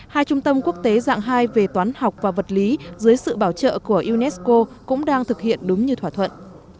hai trung tâm quốc tế dạng hai về toán học và vật lý dưới sự bảo trợ của unesco cũng đang thực hiện đúng như thỏa thuận